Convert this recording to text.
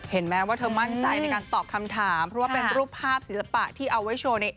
เห็นไหมว่าเธอมั่นใจในการตอบคำถามเพราะว่าเป็นรูปภาพศิลปะที่เอาไว้โชว์ใน